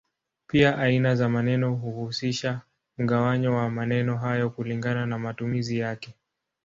Pia aina za maneno huhusisha mgawanyo wa maneno hayo kulingana na matumizi yake.